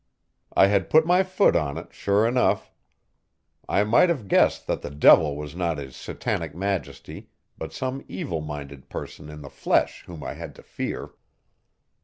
I had put my foot in it, sure enough. I might have guessed that the devil was not his Satanic Majesty but some evil minded person in the flesh whom I had to fear.